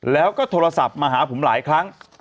แล้วก็โทรศัพท์มาหาผมหลายครั้ง